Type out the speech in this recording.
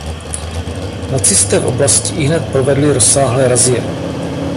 Nacisté v oblasti ihned provedli rozsáhle razie.